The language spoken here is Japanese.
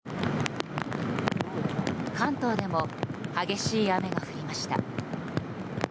関東でも激しい雨が降りました。